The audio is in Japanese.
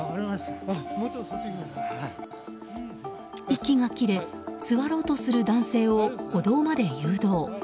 息が切れ、座ろうとする男性を歩道まで誘導。